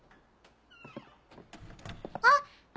あっ！